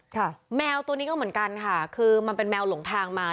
แมวตัวนี้ก็เหมือนกันค่ะคือมันเป็นแมวหลงทางมา